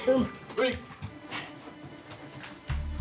はい。